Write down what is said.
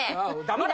黙れ！